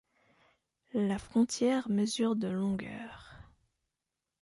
La frontière mesure de longueur.